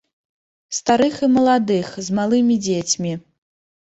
Старых і маладых, з малымі дзецьмі.